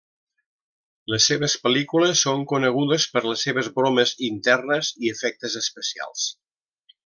Les seves pel·lícules són conegudes per les seves bromes internes i efectes especials.